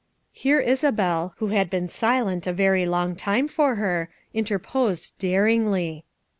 " Here Isabel, who had been silent a very long time for her, interposed daringly.